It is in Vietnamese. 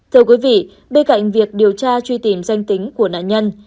thưa quý vị bên cạnh việc điều tra truy tìm danh tính của nạn nhân